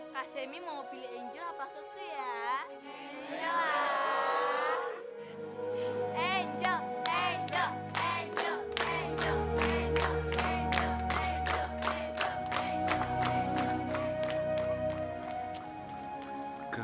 kak semi mau pilih angel apa enggak ya